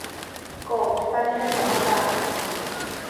Koomípanine noʼó taná.